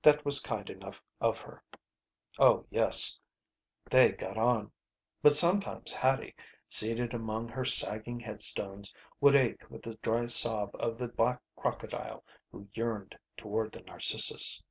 That was kind enough of her. Oh yes, they got on. But sometimes Hattie, seated among her sagging headstones, would ache with the dry sob of the black crocodile who yearned toward the narcissus....